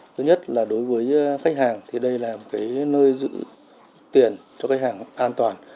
thứ nhất là đối với khách hàng thì đây là nơi giữ tiền cho khách hàng an toàn